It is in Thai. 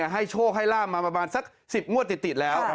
ให้โชคให้ลาบมาประมาณสัก๑๐งวดติดแล้ว